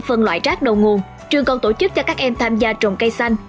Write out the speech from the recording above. phân loại rác đầu nguồn trường còn tổ chức cho các em tham gia trồng cây xanh